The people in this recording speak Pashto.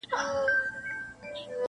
چي هره ورځ دي په سر اوښکو ډکومه-